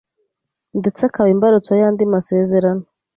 ndetse akaba imbarutso y’andi masezerano